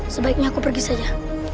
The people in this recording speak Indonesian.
sebaiknya aku pergi saja